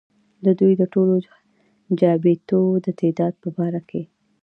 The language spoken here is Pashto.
ددوي د ټولو چابېتو د تعداد پۀ باره کښې